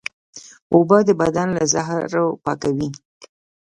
اوبه د بدن له زهرو پاکوي